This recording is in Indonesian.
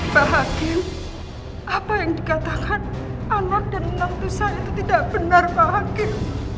pak hakim apa yang dikatakan anak dan orang tua saya itu tidak benar pak hakim